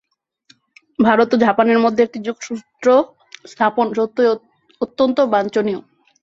ভারত ও জাপানের মধ্যে একটি যোগসূত্র-স্থাপন সত্যই অত্যন্ত বাঞ্ছনীয়।